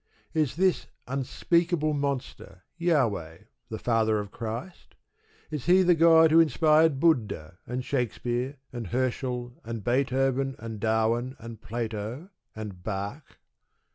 Is this unspeakable monster, Jahweh, the Father of Christ? Is he the God who inspired Buddha, and Shakespeare, and Herschel, and Beethoven, and Darwin, and Plato, and Bach?